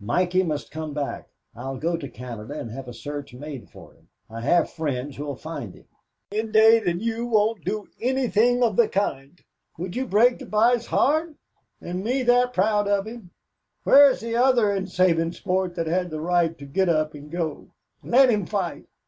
Mikey must come back. I'll go to Canada and have a search made for him. I have friends who'll find him." "Indade and you won't do anything of the kind. Would you break the by's heart and me that proud of him? Where's the other by in Sabinsport that had the right to get up and go? Let him fight.